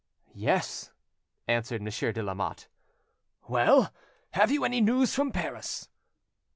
"Yes," answered Monsieur de Lamotte. "Well, have you any news from Paris?"